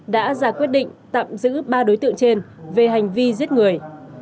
đã ra quyết định tạm giữ ba đối tượng trên về hành vi giết người